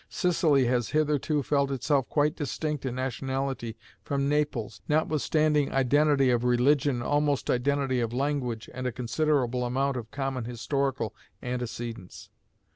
Sicily has hitherto felt itself quite distinct in nationality from Naples, notwithstanding identity of religion, almost identity of language, and a considerable amount of common historical antecedents.